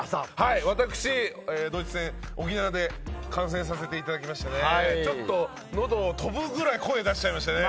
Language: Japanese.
私、ドイツ戦沖縄で観戦させていただきましてちょっと、のど飛ぶくらい声出しちゃいましたね。